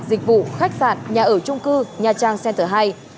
dịch vụ khách sạn nhà ở trung cư nha trang center hai